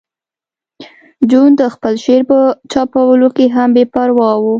جون د خپل شعر په چاپولو کې هم بې پروا و